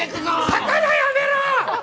魚やめろ！